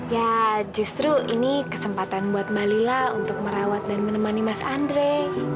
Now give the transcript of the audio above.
ya justru ini kesempatan buat mbak lila untuk merawat dan menemani mas andre